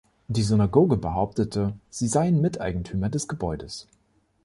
Die Synagoge behauptete, sie seien Miteigentümer des Gebäudes.